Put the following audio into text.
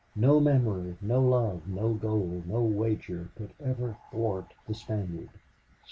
No memory, no love, no gold, no wager, could ever thwart the Spaniard.